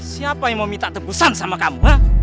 siapa yang mau minta tebusan sama kamu